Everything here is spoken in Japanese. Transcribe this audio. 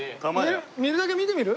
見るだけ見てみる？